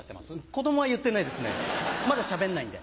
子供は言ってないですねまだ喋んないんで。